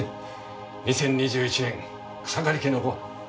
２０２１年草刈家のごはん。